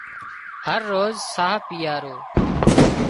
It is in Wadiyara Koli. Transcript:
هروز ساهَه پيئارو